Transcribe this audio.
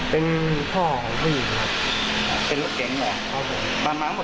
เป็นผู้ให้ของเพื่อนค่ะ